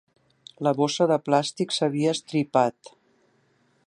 La bossa de plàstic s'havia estripat.